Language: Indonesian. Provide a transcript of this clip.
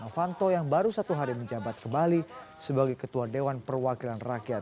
novanto yang baru satu hari menjabat ke bali sebagai ketua dewan perwakilan rakyat